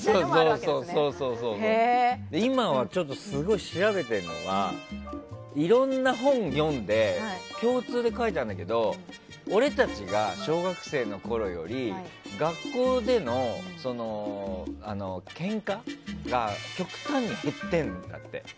今、調べているのがいろいろな本を読んで共通で書いてあるんだけど俺たちが、小学生のころより学校でのけんかが極端に減ってるんだって。